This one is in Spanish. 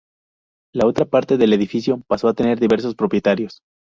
La otra parte del edificio pasó a tener diversos propietarios.